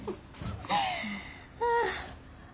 ああ。